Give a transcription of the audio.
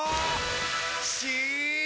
し！